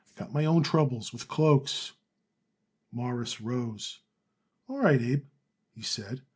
I got my own troubles with cloaks." Morris rose. "All right, Abe," he said.